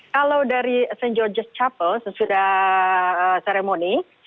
kalau dari st george's chapel sesudah seremoni